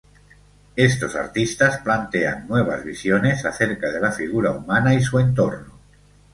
Estos artistas plantean nuevas visiones acerca de la figura humana y su entorno.